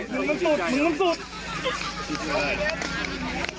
ดูสิคะแต่ละคนกอดคอกันหลั่นน้ำตา